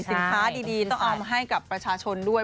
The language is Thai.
สินค้าดีต้องเอามาให้กับประชาชนด้วย